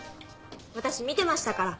私見てましたから。